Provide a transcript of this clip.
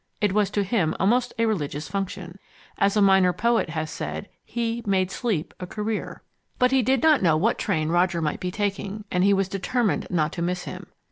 It was to him almost a religious function. As a minor poet has said, he "made sleep a career." But he did not know what train Roger might be taking, and he was determined not to miss him.